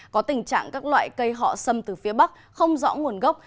có tình trạng các loại cây họ xâm từ phía bắc không rõ nguồn gốc